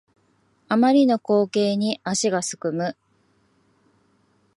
あまりの光景に足がすくむ